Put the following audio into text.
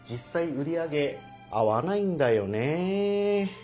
売り上げ合わないんだよね。